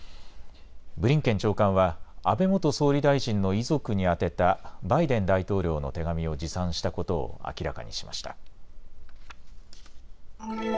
ブリンケン長官は安倍元総理大臣の遺族に宛てたバイデン大統領の手紙を持参したことを明らかにしました。